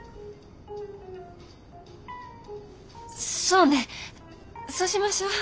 そうねそうしましょう。